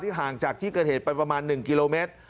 ห่างจากที่เกิดเหตุไปประมาณ๑กิโลเมตร